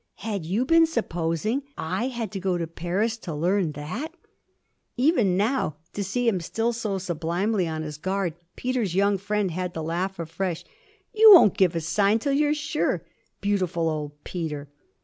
Had you been supposing I had to go to Paris to learn that? Even now, to see him still so sublimely on his guard, Peter's young friend had to laugh afresh. 'You won't give a sign till you're sure? Beautiful old Peter!'